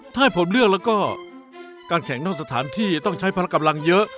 ถ้าให้ผมเลือกแล้วก็การแข่งนอกสถานที่ต้องใช้พละกำลังเยอะ